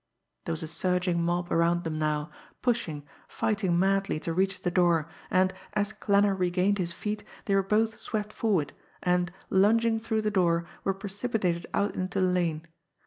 There was a surging mob around them now, pushing, fighting madly to reach the door; and, as Klanner regained his feet, they were both swept forward, and, lunging through the door, were precipitated out into the lane.